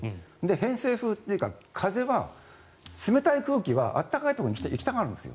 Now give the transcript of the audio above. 偏西風というか風は冷たい空気は暖かいところに行きたがるんですよ。